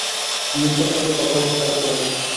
নিসার আলি কথাবার্তা চালাতে লাগলেন।